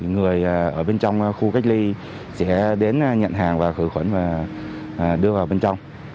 người ở bên trong khu cách ly sẽ đến nhận hàng và khử khuẩn và đưa vào bên trong